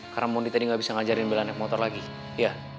karena mondi tadi gak bisa ngajarin bella naik motor lagi iya